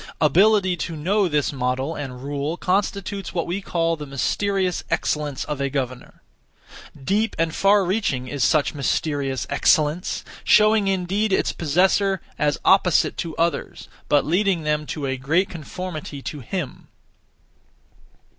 Ability to know this model and rule constitutes what we call the mysterious excellence (of a governor). Deep and far reaching is such mysterious excellence, showing indeed its possessor as opposite to others, but leading them to a great conformity to him.